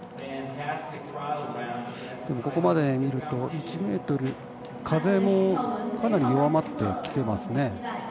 ここまで見ると１メートルで風もかなり弱まってきてますね。